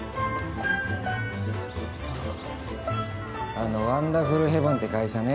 あのワンダフルヘブンって会社ね